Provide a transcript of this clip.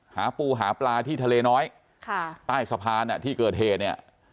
หาปูหาปลาที่ทะเลน้อยค่ะใต้สะพานที่เกิดเหตุเนี่ย